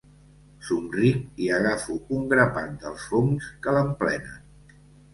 Somric i agafo un grapat dels fongs que l'emplenen.